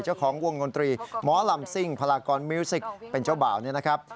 เจ้าของวงดนตรีหมอลำซิ่งพลากรมิวสิกเป็นเจ้าบ่าวเนี่ยนะครับ